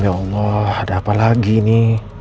ya allah ada apa lagi ini